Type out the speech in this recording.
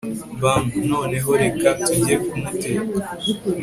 bam !!! noneho reka tujye kumuteka !